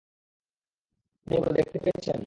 আপনি এগুলো দেখতে পেরেছেন?